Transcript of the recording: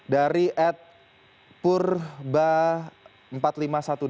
dari ed purba empat ratus lima puluh satu d